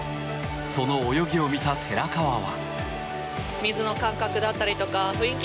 その泳ぎを見た寺川は。